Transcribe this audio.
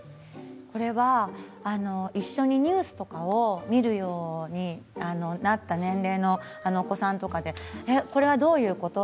これは一緒にニュースとかを見るようになった年齢のお子さんとかでこれはどういうこと？